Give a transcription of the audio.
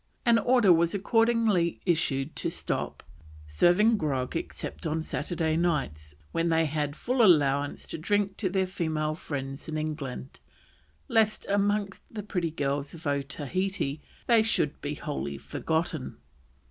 An order was accordingly issued to stop: "serving grog except on Saturday nights, when they had full allowance to drink to their female friends in England, lest amongst the pretty girls of Otaheite, they should be wholly forgotten."